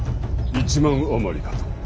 １万余りかと。